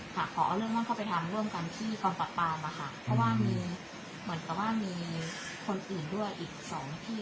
ขอเอาเรื่องนั้นเข้าไปทำร่วมกันที่กองปรับปรามอะค่ะเพราะว่ามีเหมือนกับว่ามีคนอื่นด้วยอีกสองที่